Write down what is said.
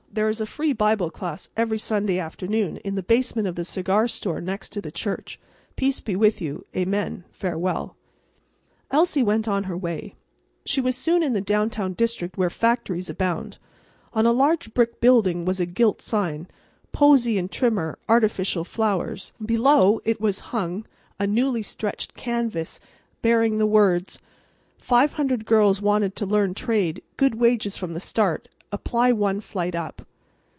"There is a free Bible class every Sunday afternoon in the basement of the cigar store next to the church. Peace be with you. Amen. Farewell." Elsie went on her way. She was soon in the downtown district where factories abound. On a large brick building was a gilt sign, "Posey & Trimmer, Artificial Flowers." Below it was hung a newly stretched canvas bearing the words, "Five hundred girls wanted to learn trade. Good wages from the start. Apply one flight up."